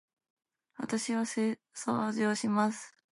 私は掃除をします。